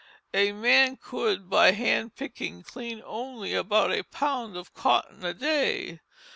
A man could, by hand picking, clean only about a pound of cotton a day.